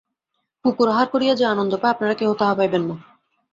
কুকুর আহার করিয়া যে আনন্দ পায়, আপনারা কেহ তাহা পাইবেন না।